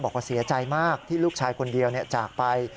บอกว่าเสียใจมากที่ลูกชายคนเดียวจากไป